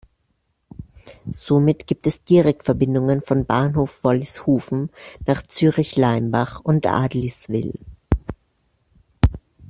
Somit gibt es Direktverbindungen von Bahnhof Wollishofen nach Zürich-Leimbach und Adliswil.